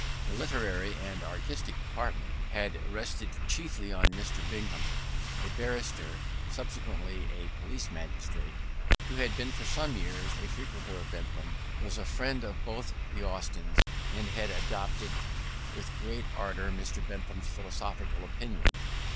The literary and artistic department had rested chiefly on Mr. Bingham, a barrister (subsequently a police magistrate), who had been for some years a frequenter of Bentham, was a friend of both the Austins, and had adopted with great ardour Mr. Bentham's philosophical opinions.